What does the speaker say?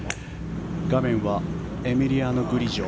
画面はエミリアノ・グリジョ。